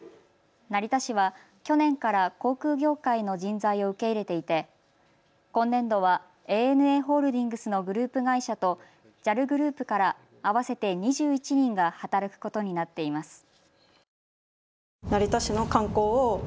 成田市は去年から航空業界の人材を受け入れていて今年度はＡＮＡホールディングスのグループ会社とＪＡＬグループから合わせて２１人が働くことになっています。